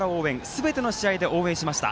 すべての試合で応援しました。